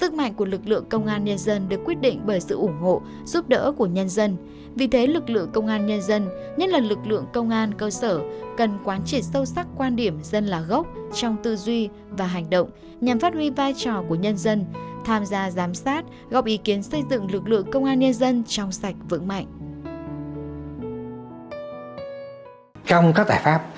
các lực lượng công an nhân dân được quyết định bởi sự ủng hộ giúp đỡ của nhân dân vì thế lực lượng công an nhân dân nhất là lực lượng công an cơ sở cần quan trị sâu sắc quan điểm dân là gốc trong tư duy và hành động nhằm phát huy vai trò của nhân dân tham gia giám sát góp ý kiến xây dựng lực lượng công an nhân dân trong sạch vững mạnh